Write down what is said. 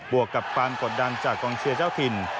วกกับความกดดันจากกองเชียร์เจ้าถิ่น